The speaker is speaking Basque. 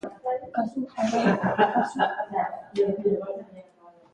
Oso kasu arraroa da, munduan hura bezalako pertsona bakarra baitago.